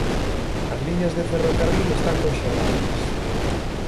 As liñas de ferrocarril están conxeladas.